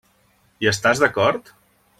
Hi estàs d'acord?